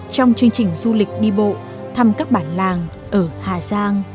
trong chương trình du lịch đi bộ thăm các bản lạc